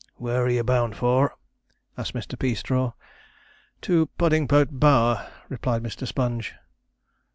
'Where are you bound for?' asked Mr. Peastraw. 'To Puddingpote Bower,' replied Mr. Sponge.